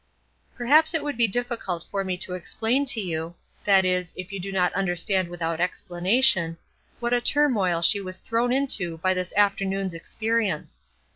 Perhaps it would be difficult for me to explain to you that is, if you do not understand without explanation what a turmoil she was thrown into by this afternoon's experience.